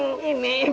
enggak ada masalah